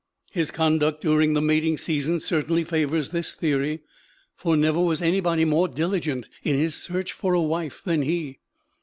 His conduct during the mating season certainly favors this theory, for never was anybody more diligent in his search for a wife than he.